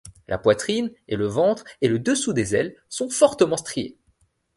La poitrine et le ventre et le dessous des ailes sont fortement striés.